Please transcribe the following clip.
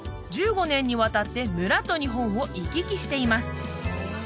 １５年にわたって村と日本を行き来しています